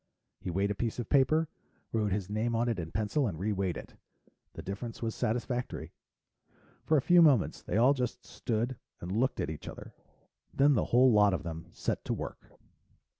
He weighed a piece of paper, wrote his name on it in pencil and reweighed it. The difference was satisfactory. For a few moments, they all just stood and looked at each other. Then the whole lot of them set to work.